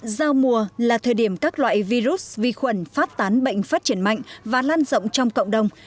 giao mùa là thời điểm các loại virus vi khuẩn phát tán bệnh phát triển mạnh và lan rộng trong cộng đồng